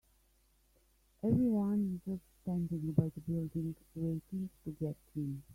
Everyone is just standing by the building, waiting to get in.